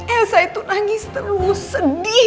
elsa itu nangis terlalu sedih